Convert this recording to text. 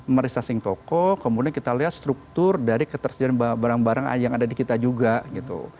meresasing toko kemudian kita lihat struktur dari ketersediaan barang barang yang ada di kita juga gitu